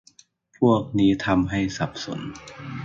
พวกนี้ทำให้สับสน